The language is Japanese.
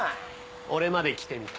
俺まで来てみた。